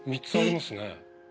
３つありますね。